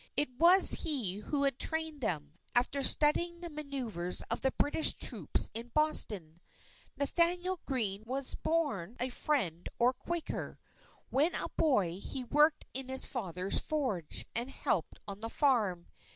It was he who had trained them, after studying the manœuvres of the British troops in Boston. Nathanael Greene was born a Friend or Quaker. When a boy, he worked in his father's forge, and helped on the farm.